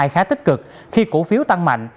khá tích cực khi cổ phiếu tăng mạnh